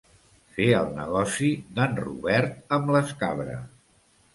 Fer el negoci d'en Robert amb les cabres.